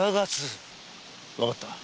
わかった。